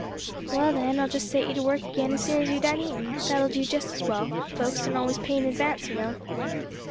"Well, then, I'll just set you to work again as soon as you're done eatin'; that'll do just as well; folks don't always pay in advance, you know."